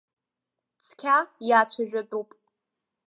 Цқьа иацәажәатәуп.